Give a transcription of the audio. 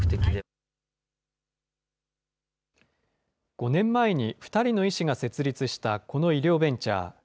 ５年前に２人の医師が設立したこの医療ベンチャー。